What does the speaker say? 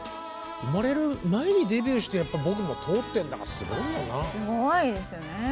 生まれる前にデビューして僕も通ってるんだからすごいよな。